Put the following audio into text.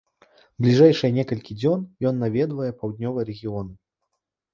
Бліжэйшыя некалькі дзён ён наведае паўднёвыя рэгіёны.